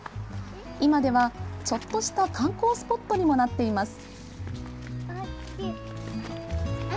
今では、ちょっとした観光スポットにもなっています。